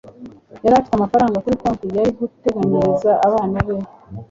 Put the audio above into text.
yari afite amafaranga kuri konti yari guteganyiriza abana be